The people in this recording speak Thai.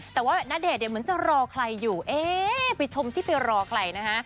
แต่ว่าณเดชน์เนี่ยเหมือนจะรอใครอยู่เอ๊ะไปชมซิไปรอใครนะฮะ